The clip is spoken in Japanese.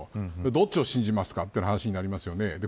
どっちを信じますかという話になります。